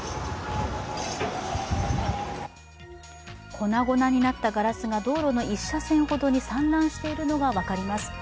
粉々になったガラスが道路の１車線ほどに散乱しているのが分かります。